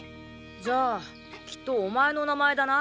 じゃあきっとお前の名前だな。